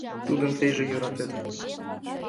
Тудым тыйже йӧратет